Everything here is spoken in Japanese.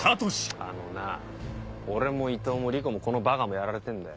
あのな俺も伊藤も理子もこのばかもやられてんだよ。